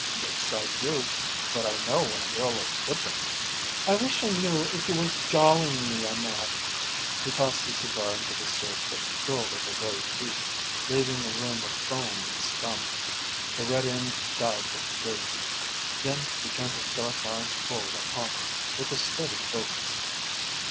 "Nix I do; but I know when a girl looks good to me." "I wish I knew if you was jollyin' me or not." He tossed his cigar into the surf that curled at their very feet, leaving a rim of foam and scum. The red end died with a fizz. Then he turned his dark eyes full upon her with a steady focus.